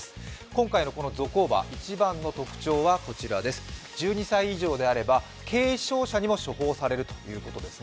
今回のゾコーバ、一番の特徴は１２歳以上であれば軽症者にも処方されるということです。